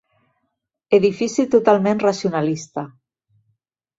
Edifici totalment racionalista.